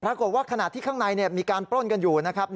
ขณะที่ข้างในมีการปล้นกันอยู่นะครับ